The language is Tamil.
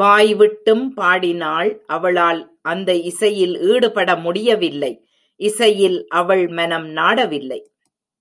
வாய்விட்டும் பாடினாள் அவளால் அந்த இசையில் ஈடுபட முடியவில்லை இசையில் அவள் மனம் நாடவில்லை.